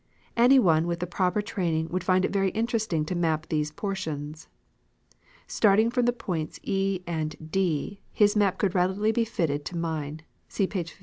Any one with the proper training would find it very interesting to map these portions. Starting from the points E and D, his map could readily be fitted to mine (see page 54).